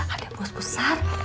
ada bos besar